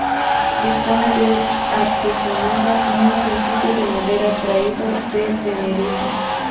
Dispone de un artesonado muy sencillo de madera traído de Tenerife.